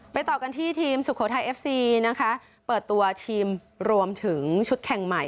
ต่อกันที่ทีมสุโขทัยเอฟซีนะคะเปิดตัวทีมรวมถึงชุดแข่งใหม่